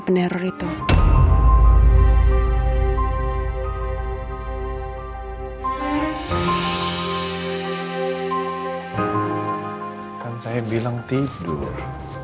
pada saat puasnya melepui